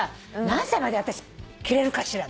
「何歳まで私着れるかしら」